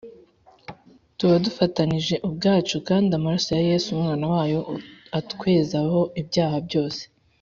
tuba dufatanije ubwacu, kandi amaraso ya Yesu Umwana wayo atwezaho ibyaha byose.